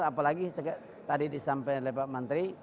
apalagi tadi disampaikan oleh pak menteri